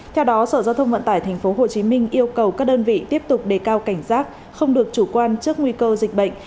theo đó sở giao thông vận tải tp hcm yêu cầu các đơn vị tiếp tục đề cao cảnh giác không được chủ quan trước nguy cơ dịch bệnh